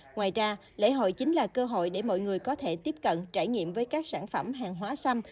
ngoài ra lễ hội chính là cơ hội để mọi người có thể tiếp cận trải nghiệm với các sản phẩm hàng hóa xăm